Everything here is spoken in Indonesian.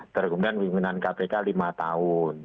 tergumulkan pimpinan kpk lima tahun